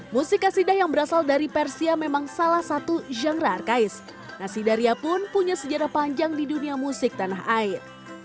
musik kasidah yang berasal dari persia memang salah satu genre arkais nasidaria pun punya sejarah panjang di dunia musik tanah air